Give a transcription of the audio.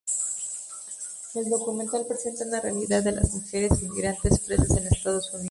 El documental presenta una realidad de las mujeres inmigrantes presas en Estados Unidos.